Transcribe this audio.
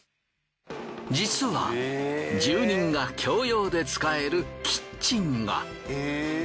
実は住人が共用で使えるキッチンが。